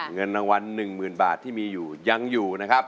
เงินนวัลหนึ่งหมื่นบาทที่มีอยู่ยังอยู่นะครับ